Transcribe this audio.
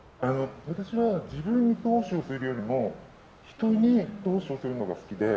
私は自分に投資をするよりも人に投資をするのが好きで。